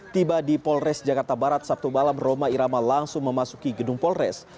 tiba di polres jakarta barat sabtu malam roma irama langsung memasuki gedung polres